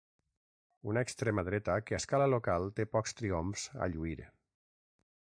Una extrema dreta que a escala local té pocs triomfs a lluir.